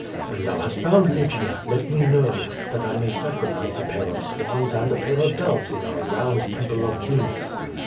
When thou hast found Lygia, let me know, that I may sacrifice a pair of swans and a pair of doves in our round Temple of Venus.